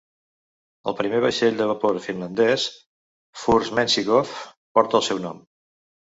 El primer vaixell de vapor finlandès "Furst Menschikoff" porta el seu nom.